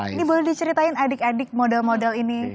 ini boleh diceritain adik adik model model ini